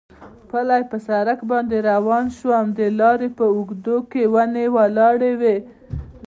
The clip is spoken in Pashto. پلی پر سړک باندې روان شوم، د لارې په اوږدو کې ونې ولاړې وې.